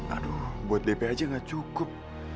aduh buat dp aja gak cukup